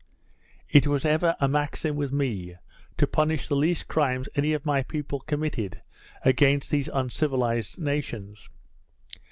It was ever a maxim with me, to punish the least crimes any of my people committed against these uncivilized nations.